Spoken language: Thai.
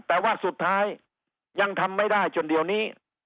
แต่ว่าสุดท้ายยังทำไม่ได้จนเดี๋ยวนี้